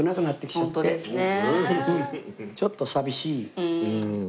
ちょっと寂しいですね。